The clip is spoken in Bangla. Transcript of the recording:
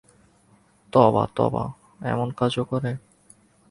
তোবা, তোবা, এমন কাজও করে!